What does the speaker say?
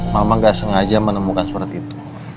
mama gak sengaja menemukan surat itu